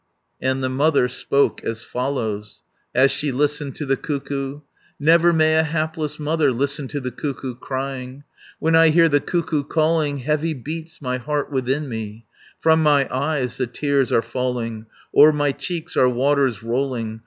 And the mother spoke as follows! As she listened to the cuckoo: "Never may a hapless mother Listen to the cuckoo crying! When I hear the cuckoo calling. Heavy beats my heart within me. 510 From my eyes the tears are falling O'er my cheeks are waters rolling.